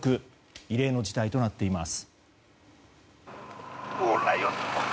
異例の事態となっています。